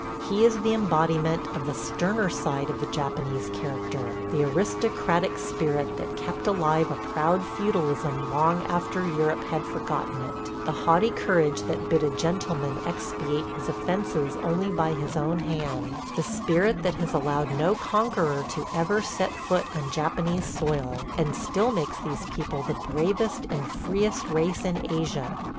... He is the embodiment of the sterner side of the Japanese character – the aristocratic spirit that kept alive a proud feudalism long after Europe had forgotten it; the haughty courage that bid a gentleman expiate his offences only by his own hand; the spirit that has allowed no conqueror to ever set foot on Japanese soil, and still makes these people the bravest and freest race in Asia.